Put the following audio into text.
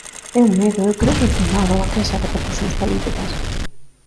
É un medo, eu creo que infundado, a que haxa repercusións políticas.